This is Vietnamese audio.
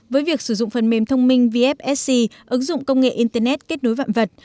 với việc sử dụng phần mềm thông minh vfsc ứng dụng công nghệ internet kết nối vạn vật